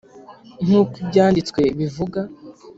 nk'uko Ibyanditswe bivuga.